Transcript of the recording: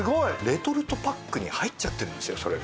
レトルトパックに入っちゃってるんですよそれが。